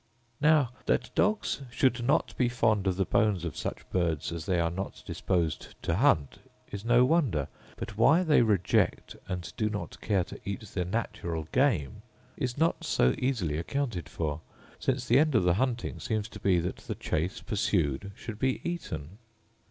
Now, that dogs should not be fond of the bones of such birds as they are not disposed to hunt is no wonder; but why they reject and do not care to eat their natural game is not so easily accounted for, since the end of hunting seems to be, that the chase pursued should be eaten.